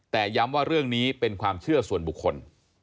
แต่ย้ำว่าเรื่องนี้เป็นความเชื่อส่วนบุคคล